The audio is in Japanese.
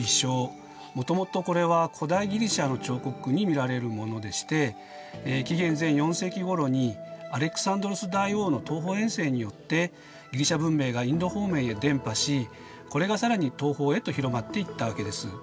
もともとこれは古代ギリシアの彫刻に見られるものでして紀元前４世紀ごろにアレクサンドロス大王の東方遠征によってギリシア文明がインド方面へ伝播しこれが更に東方へと広まっていったわけです。